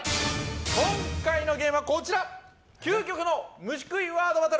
今回のゲームは究極の虫食いワードクイズ！